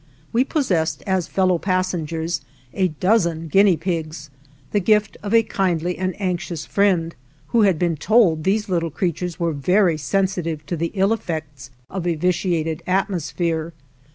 We possessed as fellow passengers a dozen guinea pigs, the gift of a kindly and anxious friend, who had been told these little creatures were very sensitive to the ill effects of a vitiated atmosphere.